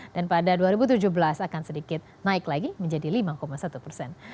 dan pada dua ribu tujuh belas akan sedikit naik lagi menjadi lima satu persen